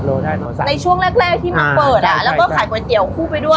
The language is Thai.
ในช่วงแรกแรกที่มาเปิดอ่ะแล้วก็ขายก๋วยเตี๋ยคู่ไปด้วย